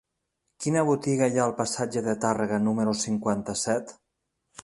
Quina botiga hi ha al passatge de Tàrrega número cinquanta-set?